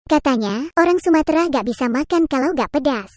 katanya orang sumatera nggak bisa makan kalau gak pedas